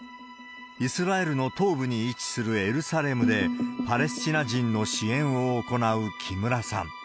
イスラエルの東部に位置するエルサレムで、パレスチナ人の支援を行う木村さん。